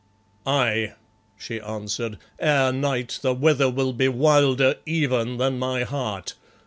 "Aye," she answered, "ere night the weather will be wilder even than my heart.